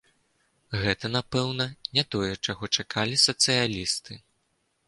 Гэта, напэўна, не тое, чаго чакалі сацыялісты.